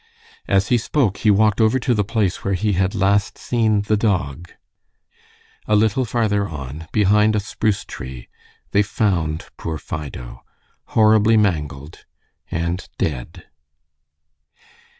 As he spoke he walked over to the place where he had last seen the dog. A little farther on, behind a spruce tree, they found poor Fido, horribly mangled and dead.